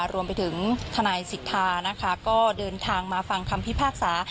รวมไปถึงทนายสิทธานะคะก็เดินทางมาฟังคำพิพากษา